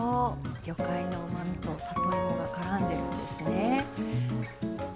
魚介のうまみと里芋がからんでるんですね。